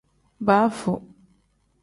Baafu.